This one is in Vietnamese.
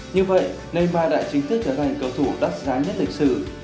như vậy neymar đã chính thức trở thành cầu thủ đắt giá nhất lịch sử